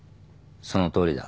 そのとおりだ。